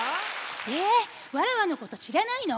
えわらわのことしらないの？